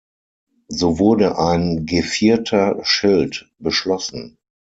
So wurde ein gevierter Schild beschlossen.